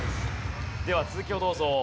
では続きをどうぞ。